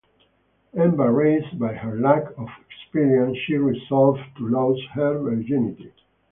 Embarrassed by her lack of experience, she resolves to lose her virginity.